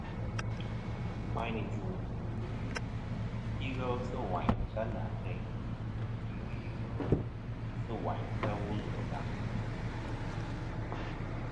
Lìwàyn ɨ jùŋ nɨ̀n ghɨ kɨ ighel sɨ̂ wàyn ta nà àteyn, fî ghɨ ighel sɨ̂ wayn ta wul ɨ ngàŋ.